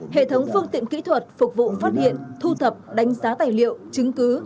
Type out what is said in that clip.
hệ thống phương tiện kỹ thuật phục vụ phát hiện thu thập đánh giá tài liệu chứng cứ